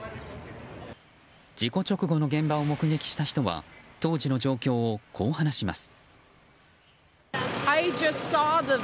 事故直後の現場を目撃した人は当時の状況をこう話します。